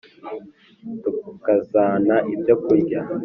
tukazana ibyo kurya,